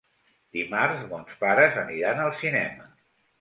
Dimarts mons pares aniran al cinema.